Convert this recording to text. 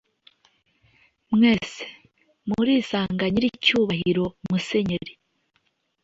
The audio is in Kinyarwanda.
mwese murisanganyiricyubahiro musenyeri,